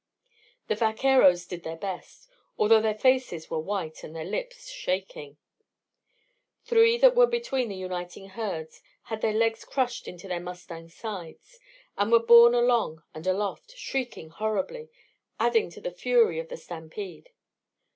The vaqueros did their best, although their faces were white and their lips shaking. Three that were between the uniting herds, had their legs crushed into their mustangs' sides, and were borne along and aloft, shrieking horribly, adding to the fury of the stampede.